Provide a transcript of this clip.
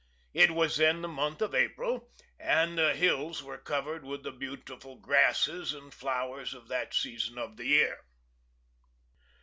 It was then the month of April, and the hills were covered with the beautiful grasses and flowers of that season of the year.